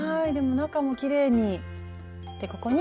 中もきれいに。